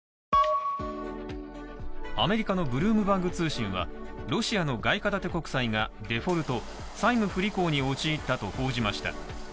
アメリカのブルームバーグ通信はロシアの外貨建て国債がデフォルト＝債務不履行に陥ったと報じました。